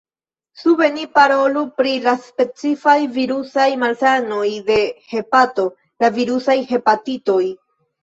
Sube ni parolu pri la specifaj virusaj malsanoj de hepato: la virusaj hepatitoj.